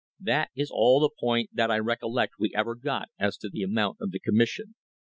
That is all the point that I recollect we ever got as to the amount of the commission.